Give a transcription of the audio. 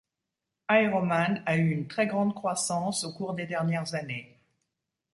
Aeroman a eu une très grande croissance au cours des dernières années.